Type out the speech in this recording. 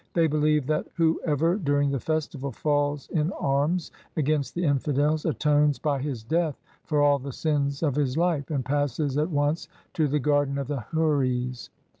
They believe that whoever, during this festival, falls in arms against the infidels, atones by his death for all the sins of his life, and passes at once to the Garden of the Houris.